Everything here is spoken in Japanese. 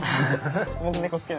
僕猫好き。